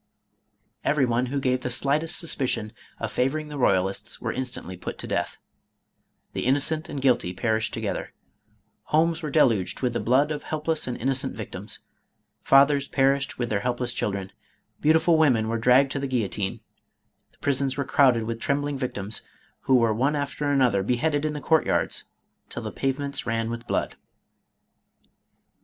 Every one who gave the slightest suspicion of favoring the royalists were instantly put to death. The inno 22 506 MADAME ROLAND. cent and guilty perished together. Homes were del uged with the blood of helpless and innocent victims. Fathers perished with their helpless children, beautiful women were dragged to the guillotine, the prisons were crowded with trembling victims, who were one after an other beheaded in the court yards, till the pavements ran with blood.